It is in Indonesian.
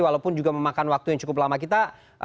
walaupun juga memakan waktu yang cukup lama kita